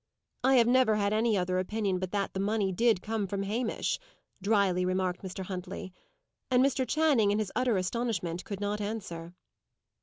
"I have never had any other opinion but that the money did come from Hamish," drily remarked Mr. Huntley. And Mr. Channing, in his utter astonishment, could not answer.